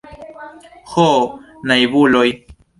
Ho naivuloj!